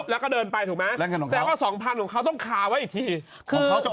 แล้วก็เดินไปผมแสดงว่า๒๐๐๐เขาต้องคาวให้อีกที